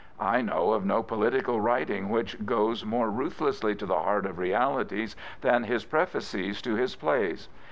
I know of no political writing which goes more ruth lessly tq the heart of realities than his prefaces to his plays.